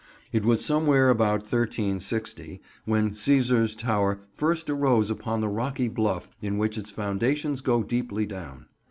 It was somewhere about 1360 when Cæsar's Tower first arose upon the rocky bluff in which its foundations go deeply down.